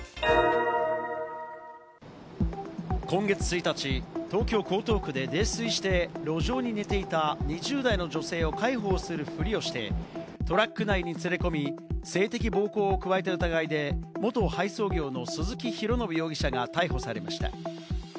今月１日、東京・江東区で泥酔して、路上で寝ていた２０代の女性を介抱するふりをして、トラック内に連れ込み、性的暴行を加えた疑いで、元配送業の鈴木浩将容疑者が逮捕されました。